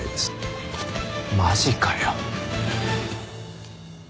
マジかよ。